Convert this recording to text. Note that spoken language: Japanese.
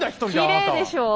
きれいでしょう？